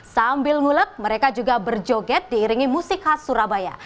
sambil ngulek mereka juga berjoget diiringi musik khas surabaya